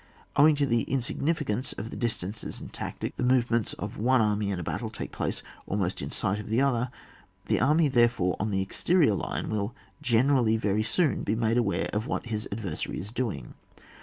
Owing to the insignificance of the distances in tactics, the movements of one army in a battle, take place almost in sight gf the other ; the army, therefore, on the exterior line, will generally very soon be made aware of what his adversary is doing.